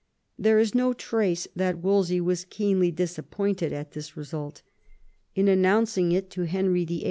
There is no trace that Wolsey was keenly disappointed at this result. In announcing it to Henry YIII.